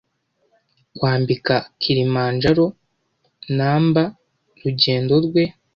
kwambika Kilimanjaronumberrugendo rwe